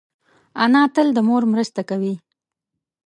انا تل د مور مرسته کوي